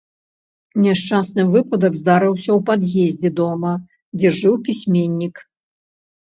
Няшчасны выпадак здарыўся ў пад'ездзе дома, дзе жыў пісьменнік.